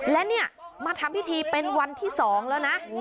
และเนี่ยมาทำพิธีเป็นวันที่๒แล้วนะ